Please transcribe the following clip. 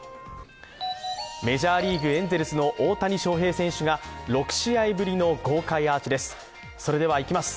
メジャーリーグ、エンゼルスの大谷翔平選手が６試合ぶりの豪快アーチです。